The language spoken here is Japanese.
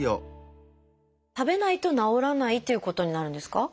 食べないと治らないということになるんですか？